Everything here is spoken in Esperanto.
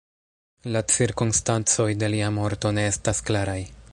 La cirkonstancoj de lia morto ne estas klaraj.